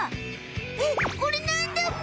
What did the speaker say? えっこれなんだむ？